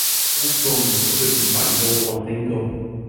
All songs written by Yo La Tengo.